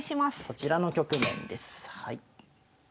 こちらの局面です。